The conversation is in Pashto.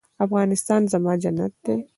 افغانستان زما جنت دی؟